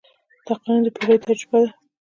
دا قانون د پېړیو تجربه ده.